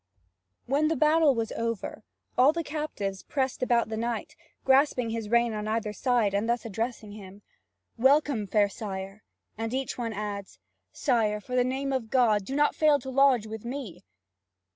(Vv. 2451 2614.) When the battle was over, all the captives pressed about the knight, grasping his rein on either side, and thus addressing him: "Welcome, fair sire," and each one adds: "Sire, for the name of God, do not fail to lodge with me!"